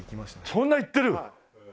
そんないってる！？